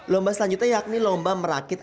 lomba selanjutnya yakni lomba merakit